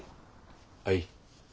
はい。